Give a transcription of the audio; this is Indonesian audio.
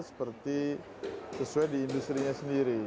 seperti sesuai di industri nya sendiri